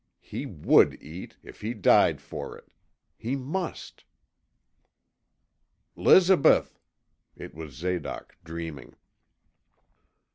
He would eat, if he died for it. He must ''Lizabeth!' It was Zadoc, dreaming.